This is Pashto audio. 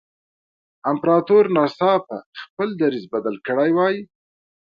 امپراتور ناڅاپه خپل دریځ بدل کړی وای.